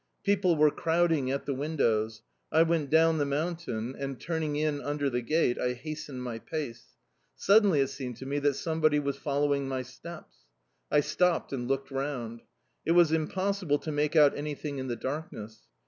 People were crowding at the windows. I went down the mountain and, turning in under the gate, I hastened my pace. Suddenly it seemed to me that somebody was following my steps. I stopped and looked round. It was impossible to make out anything in the darkness.